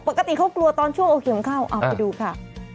ปกติเขากลัวตอนชั่วโอเค็มเข้า